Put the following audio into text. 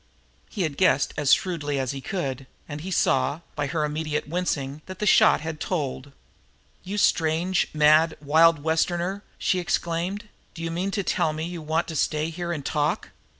He had guessed as shrewdly as he could, and he saw, by her immediate wincing, that the shot had told. "You strange, mad, wild Westerner!" she exclaimed. "Do you mean to tell me you want to stay here and talk?